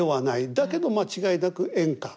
だけど間違いなく演歌。